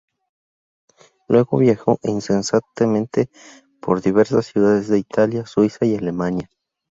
Luego viajó incesantemente por diversas ciudades de Italia, Suiza y Alemania.